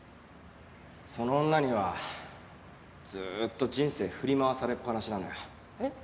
その女にはずーっと人生振り回されっぱなしなのよ。えっ？